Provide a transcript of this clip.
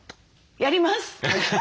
やります！